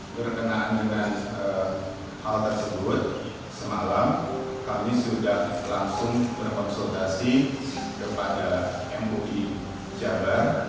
berkenaan dengan hal tersebut semalam kami sudah langsung berkonsultasi kepada mui jabar